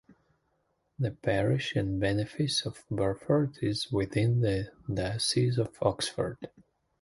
The parish and benefice of Burford is within the Diocese of Oxford.